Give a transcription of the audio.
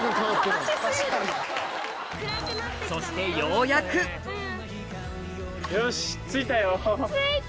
そしてようやくよし。